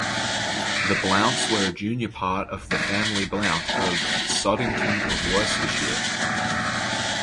The Blounts were a junior part of the family Blount of Sodington of Worcestershire.